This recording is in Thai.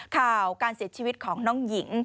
ข่าวการเสียชีวิตของน้องหญิง